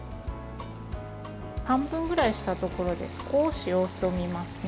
半分ぐらいしたところで少し様子を見ますね。